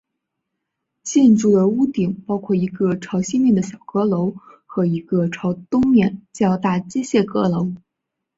建筑的屋顶包括一个朝西面的小阁楼和一个朝东面较大机械阁楼。